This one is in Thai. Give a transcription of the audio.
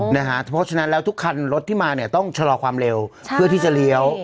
เพราะฉะนั้นแล้วทุกคันรถที่มาเนี่ยต้องชะลอความเร็วเพื่อที่จะเลี้ยว